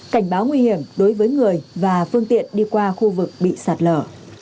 cảnh báo nguy hiểm đối với người và phương tiện đi qua khu vực bị sạt lở